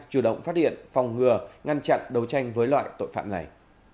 chủ động phát hiện phòng ngừa ngăn chặn đấu tranh với loại tội phạm này